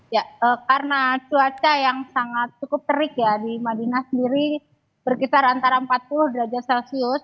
ya karena cuaca yang sangat cukup terik ya di madinah sendiri berkitar antara empat puluh derajat celcius